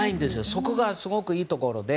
そこがすごくいいところで。